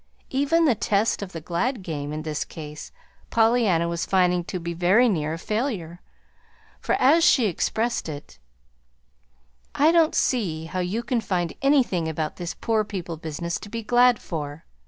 Even the test of the glad game, in this case, Pollyanna was finding to be very near a failure; for, as she expressed it: "I don't see how you can find anything about this poor people business to be glad for.